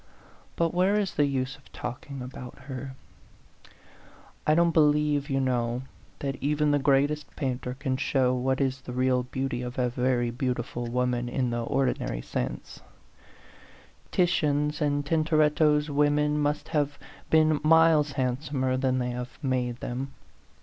But where is the use of talking about her? I don't be lieve, you know, that even the greatest painter can show what is the real beauty of a very beautiful woman in the ordinary sense: Titian's and Tintoretto's women must have been miles handsomer than they have made them.